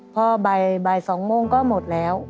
พอใบ๒โมงก็หมดแล้ว